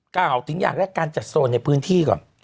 กล่าวถึงอย่างแรกการจัดโซนในพื้นที่ก่อน